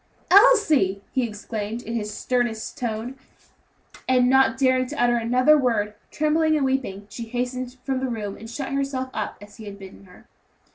"Elsie!" he exclaimed, in his sternest tone; and not daring to utter another word, trembling and weeping, she hastened from the room, and shut herself up as he had bidden her.